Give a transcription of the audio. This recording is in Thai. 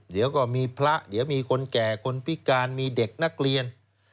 เดี๋ยวก็มีพระเดี๋ยวมีคนแก่คนพิการมีเด็กนักเรียน